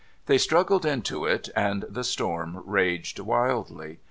They struggled into it, and the storm raged wildly.